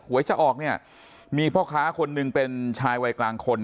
จะออกเนี่ยมีพ่อค้าคนหนึ่งเป็นชายวัยกลางคน